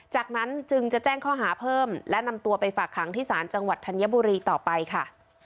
จากนั้นจึงจะแจ้งข้อหาเพิ่มและนำตัวไปฝากขังที่ศาลจังหวัดธัญบุรีต่อไปค่ะ